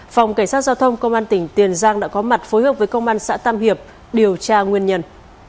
phòng cảnh sát giao thông công an tỉnh tiền giang đã có mặt phối hợp với công an xã tam hiệp điều tra nguyên nhân